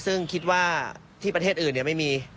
ซึ่งคิดว่าที่ประเทศอื่นไม่มี